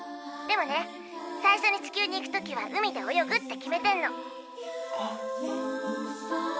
でもね最初に地球に行く時は「海で泳ぐ」って決めてんの。